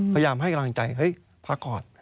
พยายามให้กำลังใจเฮ้ยพักก่อน